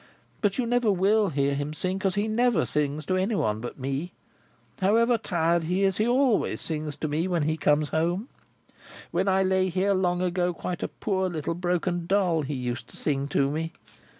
But you never will hear him sing, because he never sings to any one but me. However tired he is, he always sings to me when he comes home. When I lay here long ago, quite a poor little broken doll, he used to sing to me.